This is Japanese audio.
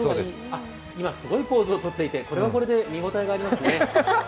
あ、今すごいポーズをとっていてこれはこれで見応えがありますね。